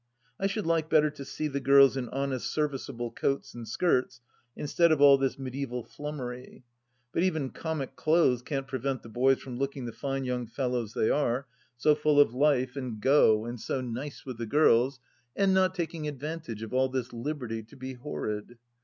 I should like better to see the girls in honest service able coats and skirts instead of all this mediaeval flummery ; but even comic clothes can't prevent the boys from looking the fine young fellows they are, so full of life and go and so THE LAST DITCH 67 nice with the girls, and not taking advantage of all this liberty to be horrid.